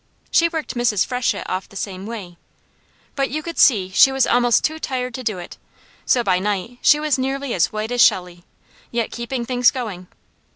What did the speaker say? She worked Mrs. Freshett off the same way, but you could see she was almost too tired to do it, so by night she was nearly as white as Shelley, yet keeping things going.